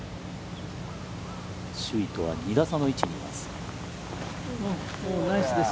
首位とは２打差の位置にいます。